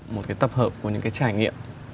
một cái tập hợp của những cái trải nghiệm